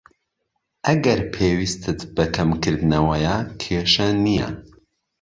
ئەگەر پێویستت بە کەمکردنەوەیە، کێشە نیە.